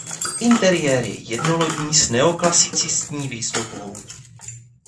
Interiér je jednolodní s neoklasicistní výzdobou.